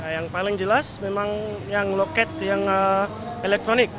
yang paling jelas memang yang loket yang elektronik